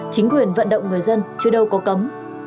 chính quyền vận động người dân chưa đâu có cấm